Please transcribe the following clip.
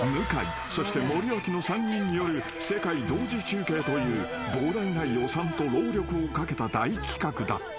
そして森脇の３人による世界同時中継という膨大な予算と労力をかけた大企画だった］